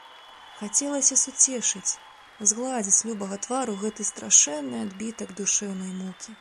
Хацелася суцешыць, згладзіць з любага твару гэты страшэнны адбітак душэўнай мукі.